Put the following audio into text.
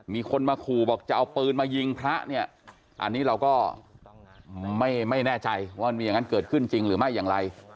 มีคนมาขู่บอกจะเอาปืนมายิงพระเนี่ยอันนี้เราก็ไม่แน่ใจว่ามันมีอย่างนั้นเกิดขึ้นจริงหรือไม่อย่างไร